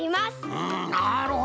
うんなるほど！